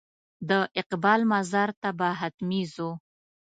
د اقبال مزار ته به حتمي ځو.